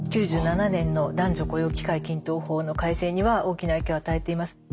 ９７年の男女雇用機会均等法の改正には大きな影響を与えています。